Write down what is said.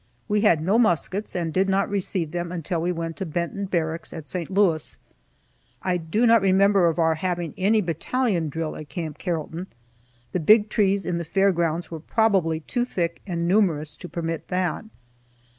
We had no muskets, and did not receive them until we went to Benton Barracks, at St. Louis. I do not remember of our having any battalion drill at Camp Carrollton. The big trees in the fair grounds were probably too thick and numerous to permit that.